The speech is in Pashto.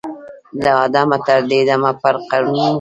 له آدمه تر دې دمه په قرنونو